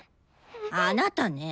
あなたねぇ！